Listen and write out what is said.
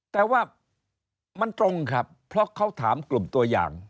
แต่ว่ามันตรงครับเพราะเขาถามกลุ่มตัวอย่าง